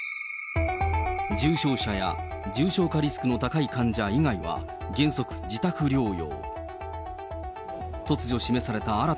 重症者や重症化リスクの高い患者以外は原則自宅療養。